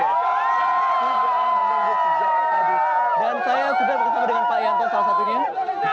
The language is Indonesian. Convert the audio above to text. dan saya sudah bersama dengan pak yanto salah satunya